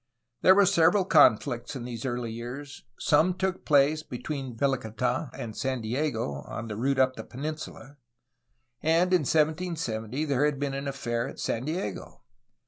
There were several conflicts in these early years. Some took place between Velicata and San Diego, on the route up the peninsula, and in 1770 there had been an affair at San Diego.